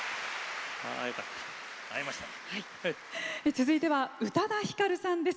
続いては宇多田ヒカルさんです。